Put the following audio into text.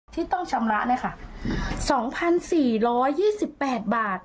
ที่ต้องชำระนะคะ๒๔๒๘บาท